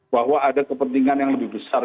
bahwa ada kepentingan yang lebih besar